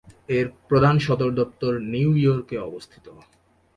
এর প্রধান সদর দপ্তর নিউইয়র্কে অবস্থিত।